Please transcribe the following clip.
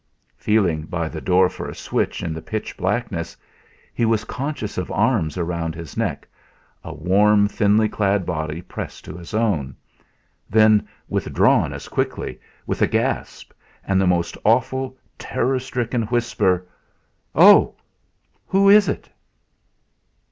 Feeling by the door for a switch in the pitch blackness he was conscious of arms round his neck, a warm thinly clad body pressed to his own; then withdrawn as quickly, with a gasp, and the most awful terror stricken whisper: "Oh! Who is it?"